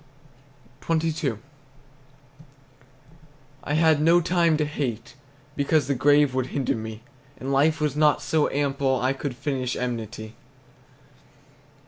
XXII. I had no time to hate, because The grave would hinder me, And life was not so ample I Could finish enmity.